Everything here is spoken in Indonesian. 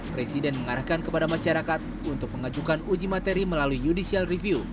presiden mengarahkan kepada masyarakat untuk mengajukan uji materi melalui judicial review